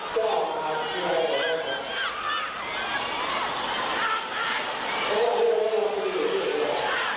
ป้ายต่างบังคับต้องเซ็นเซอร์